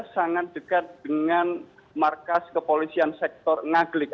sangat dekat dengan markas kepolisian sektor ngaglik